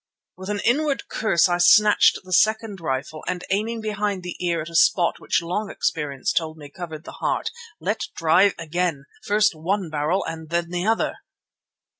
With an inward curse I snatched the second rifle and aiming behind the ear at a spot which long experience told me covered the heart let drive again, first one barrel and then the other.